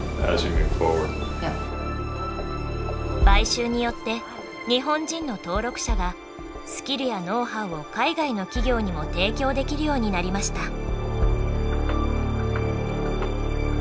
買収によって日本人の登録者がスキルやノウハウを海外の企業にも提供できるようになりました。